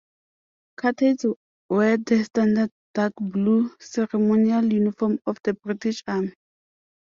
Cadets wear the standard dark blue ceremonial uniform of the British Army.